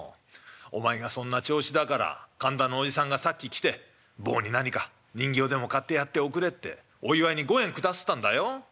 お前がそんな調子だから神田のおじさんがさっき来て坊に何か人形でも買ってやっておくれってお祝いに５円下すったんだよ。